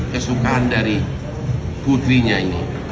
kesukaan dari putrinya ini